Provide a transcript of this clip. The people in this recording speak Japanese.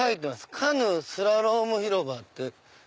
カヌースラローム広場って。